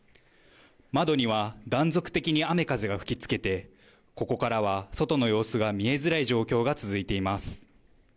窓には断続的に雨風が吹きつけて、ここからは外の様子が見えづらい状況が続いています。